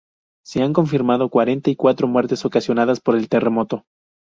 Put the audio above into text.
Se han confirmado cuarenta y cuatro muertes ocasionadas por el terremoto.